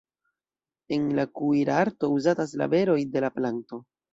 En la kuirarto uzatas la beroj de la planto.